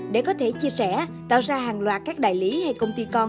để có thể chia sẻ tạo ra hàng loạt các đại lý hay công ty con